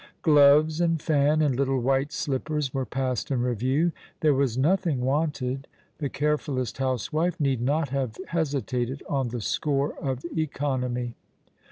Gloves and fan, and little white slippers were passed in reyiew. There was nothing wanted. The carefullest housewife need not have hesitated on the score of economy.